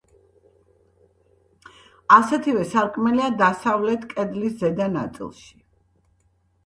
ასეთივე სარკმელია დასავლეთ კედლის ზედა ნაწილში.